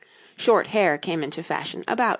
Short hair came into fashion about 1521.